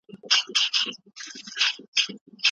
ده د کډوالو ملاتړ کاوه.